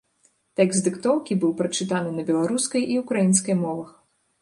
Тэкст дыктоўкі быў прачытаны на беларускай і ўкраінскай мовах.